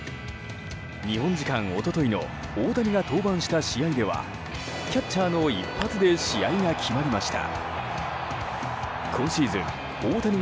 日本時間一昨日の大谷が登板した試合ではキャッチャーの一発で試合が決まりました。